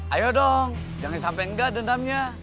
ayo dong jangan sampai enggak dendamnya